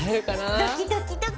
ドキドキドキ。